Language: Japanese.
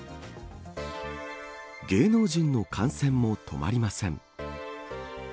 芸能人の感染も止まりません。